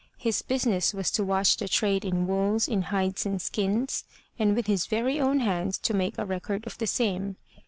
His business was to watch the trade in wools, in hides and skins, and with his very own hands to make a record of the same.